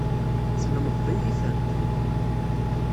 Teslemdeḍ-iyi-tent.